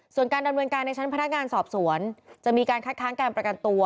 ส่วนการดำเนินการในชั้นพนักงานสอบสวนจะมีการคัดค้างการประกันตัว